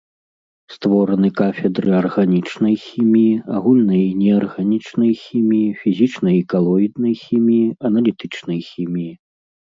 Створаны кафедры арганічнай хіміі, агульнай і неарганічнай хіміі, фізічнай і калоіднай хіміі, аналітычнай хіміі.